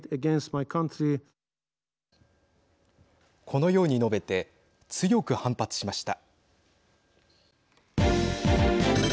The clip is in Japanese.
このように述べて強く反発しました。